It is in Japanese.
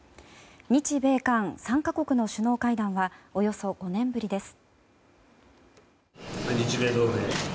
日米韓３か国の首脳会談はおよそ５年ぶりです。